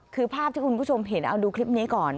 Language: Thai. คือภาพที่คุณผู้ชมเห็นเอาดูคลิปนี้ก่อน